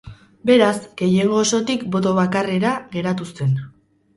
Beraz, gehiengo osotik boto bakarrera geratu zen.